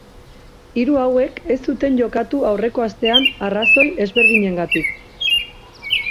Hiru hauek ez zuten jokatu aurreko astean arrazoi ezberdinengatik.